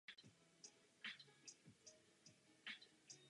V následujících týdnech probíhal jejich integrační proces.